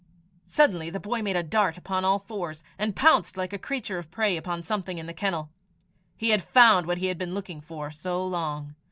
Suddenly the boy made a dart upon all fours, and pounced like a creature of prey upon something in the kennel. He had found what he had been looking for so long.